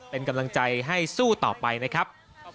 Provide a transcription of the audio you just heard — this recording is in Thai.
เป็นกำลังใจให้สู้ต่อไปนะครับ